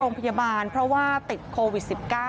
โรงพยาบาลเพราะว่าติดโควิด๑๙